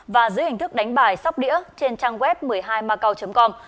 và giữ hình thức đánh bài sóc đĩa trên trang web một mươi hai macau com